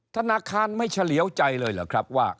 ธนาคารไม่เฉลียวใจเลยเหรอครับว่า